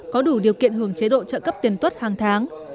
có đủ điều kiện hưởng chế độ trợ cấp tiền tuất hàng tháng